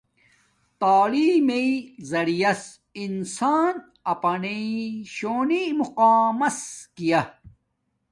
تعیلم میے زریعریاس انسان اپناݵ شونی مقام مس گیا